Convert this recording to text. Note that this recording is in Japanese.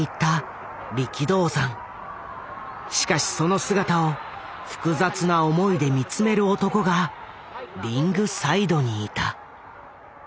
しかしその姿を複雑な思いで見つめる男がリングサイドにいた。